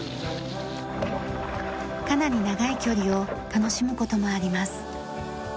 かなり長い距離を楽しむ事もあります。